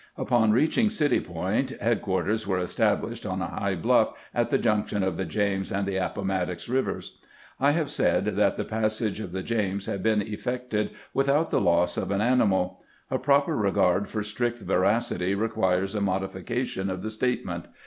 Upon reaching City Point, headquarters were estab lished on a high bluff at the junction of the James and the Appomattox rivers. I have said that the passage of the James had been effected without the loss of an animal. A proper regard for strict veracity requires a modification of the statement.